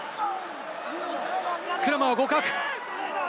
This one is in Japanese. スクラムは互角。